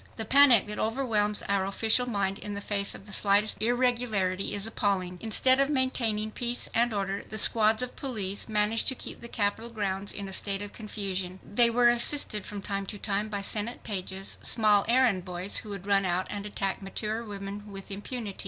The panic that overwhelms our official mind in the face of the slightest irregularity is appalling! Instead of maintaining peace and order, the squads of police managed to keep the Capitol grounds in a state of confusion. They were assisted from time to time by Senate pages, small errand boys who would run out and attack mature women with impunity.